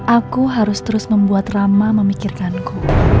aku harus terus membuat rama memikirkanku